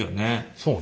そうね